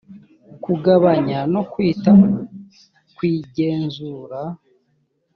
kugabanya no kwita ku igenzura